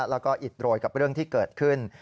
แล้วก็อิดโรยกับเรื่องที่เกิดขึ้น